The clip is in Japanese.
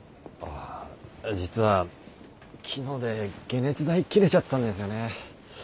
ああ実は昨日で解熱剤切れちゃったんですよね。